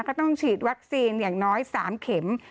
ก็ต้องฉีดวัคซีนอย่างน้อย๓เข็ม